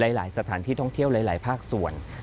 หลายสถานที่ท่องเที่ยวหลายภาคส่วน